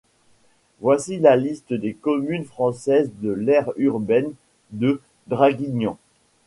Voici la liste des communes françaises de l'aire urbaine de Draguignan.